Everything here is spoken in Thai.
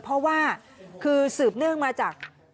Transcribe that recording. เพราะว่าคือสืบเนื่องมาจาก